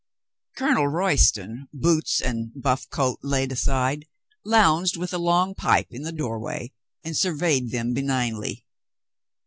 Colonel Royston, boots and buff coat laid aside, lounged with a long pipe in the doorway and surveyed them benignly.